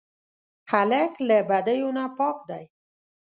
هلک له بدیو نه پاک دی.